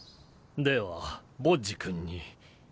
ではボッジ君に。